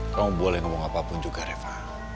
kamu boleh ngomong apapun juga reva